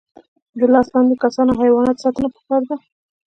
د لاس لاندې کسانو او حیواناتو ساتنه پکار ده.